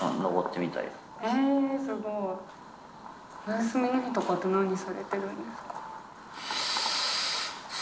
お休みの日とかって何されてるんですか？